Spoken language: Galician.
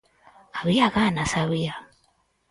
Había ganas, había.